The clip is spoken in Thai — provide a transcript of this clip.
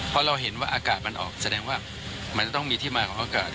เพราะเราเห็นว่าอากาศมันออกแสดงว่ามันจะต้องมีที่มาของอากาศ